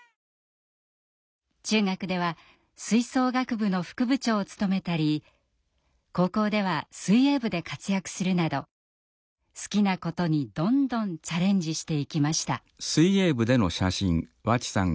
中学では吹奏楽部の副部長を務めたり高校では水泳部で活躍するなど好きなことにどんどんチャレンジしていきました。